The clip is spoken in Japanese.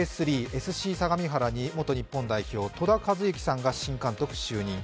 Ｊ３、ＳＣ相模原の監督に元日本代表・戸田和幸さんが新監督就任。